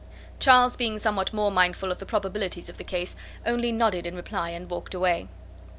Charles, being somewhat more mindful of the probabilities of the case, only nodded in reply, and walked away.